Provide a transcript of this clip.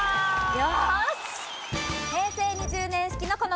よし！